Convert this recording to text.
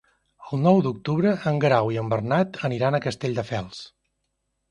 El nou d'octubre en Guerau i en Bernat aniran a Castelldefels.